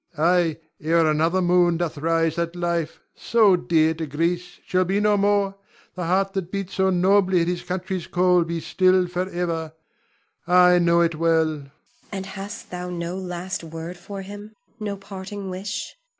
Ion. Ay, ere another moon doth rise that life, so dear to Greece, shall be no more; the heart that beat so nobly at his country's call be still forever, I know it well! Zuleika. And hast thou no last word for him, no parting wish?